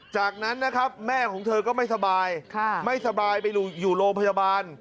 จากนั้นนะครับแม่ของเธอก็ไม่สบายไม่สบายไปอยู่โรงพยาบาล